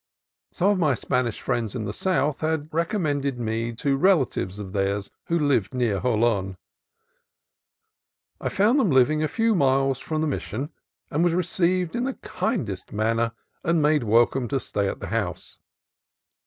Some of my Spanish friends in the south had re commended me to relatives of theirs who lived near Jolon. I found them living a few miles from the Mis sion, and was received in the kindest manner and made welcome to stay at the house.